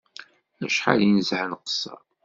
Acḥal i nezha nqeṣṣer